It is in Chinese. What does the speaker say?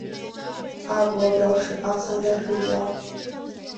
阿伯表示阿三在睡觉